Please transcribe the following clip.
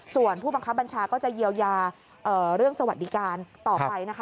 ส่วนผู้บังคับบัญชาก็จะเยียวยาเรื่องสวัสดิการต่อไปนะคะ